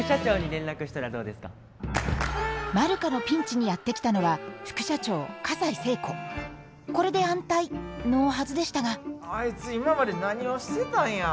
マルカのピンチにやって来たのはこれで安泰のはずでしたがあいつ今まで何をしてたんや。